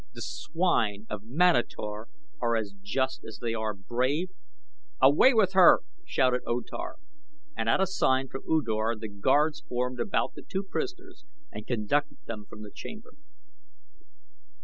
The swine of Manator are as just as they are brave." "Away with her!" shouted O Tar, and at a sign from U Dor the guards formed about the two prisoners and conducted them from the chamber.